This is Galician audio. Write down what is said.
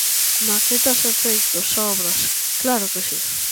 Maquetas e feitos, obras; claro que si.